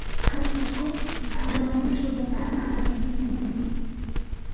Los Harcourt figuraban entre los barones más importantes de Normandía.